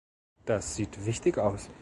Das sieht wichtig aus.